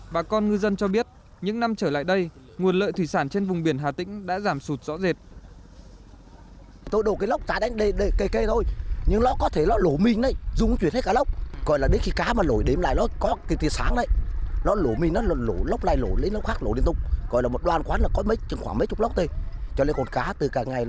bà con ngư dân cho biết những năm trở lại đây nguồn lợi thủy sản trên vùng biển hà tĩnh đã giảm sụt rõ rệt